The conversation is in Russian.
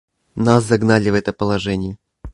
Нас загнали в это положение.